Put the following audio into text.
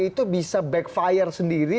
itu bisa backfire sendiri